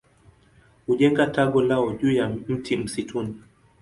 Hujenga tago lao juu ya mti msituni.